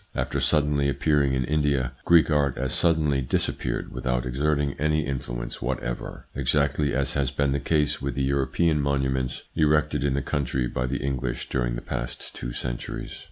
After suddenly appearing in India, Greek art as suddenly disappeared without exerting any influence whatever, exactly as has been the case with the European monuments erected in the country by the English during the past two centuries.